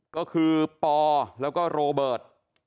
ก็คือปอแล้วก็โรเบิร์ต